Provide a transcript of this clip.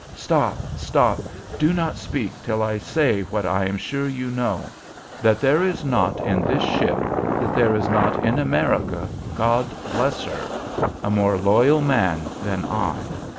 Stop! stop! Do not speak till I say what I am sure you know, that there is not in this ship, that there is not in America, God bless her! a more loyal man than I.